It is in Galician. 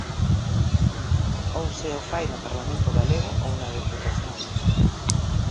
Ou se o fai no Parlamento galego ou na Deputación.